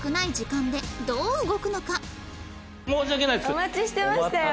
お待ちしてましたよ！